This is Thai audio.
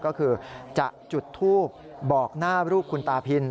ก็คือจะจุดทูบบอกหน้ารูปคุณตาพิน